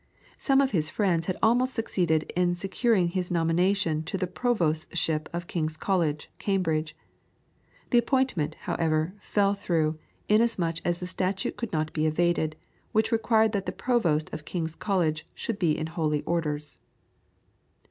Some of his friends had almost succeeded in securing his nomination to the Provostship of King's College, Cambridge; the appointment, however, fell through, inasmuch as the statute could not be evaded, which required that the Provost of King's College should be in holy orders.